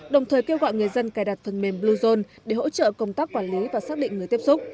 đồng thời kêu gọi người dân cài đặt phần mềm bluezone để hỗ trợ công tác quản lý và xác định người tiếp xúc